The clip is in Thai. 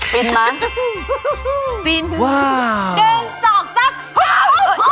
ปินมั้ยปินว้าว๑๒๓ฮ่า